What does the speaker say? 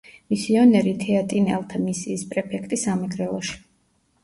მისიონერი, თეატინელთა მისიის პრეფექტი სამეგრელოში.